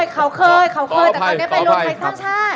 เขาเคยแต่ตอนนี้เป็นรวมไทยสร้างชาติ